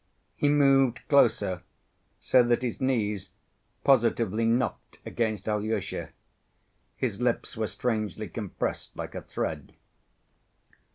He moved closer so that his knees positively knocked against Alyosha. His lips were strangely compressed like a thread.